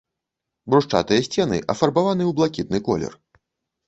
Брусчатыя сцены афарбаваны ў блакітны колер.